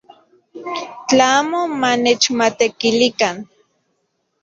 Tla amo manechmatekilikan.